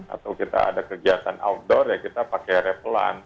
atau kita ada kegiatan outdoor ya kita pakai repelan